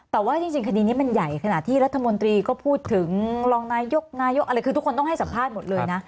แต่ว่าจริงคดีนี้มันใหญ่ขนาดที่รัฐมนตรีก็พูดถึงรองนายกนายกอะไรคือทุกคนต้องให้สัมภาษณ์หมดเลยนะ